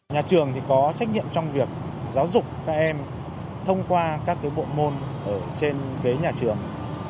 nhà trường có trách nhiệm trong việc giáo dục các em thông qua các bộ môn ở trên ghế nhà trường